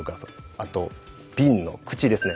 あと瓶の口ですね。